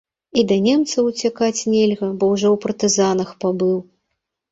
І да немцаў уцякаць нельга, бо ўжо ў партызанах пабыў.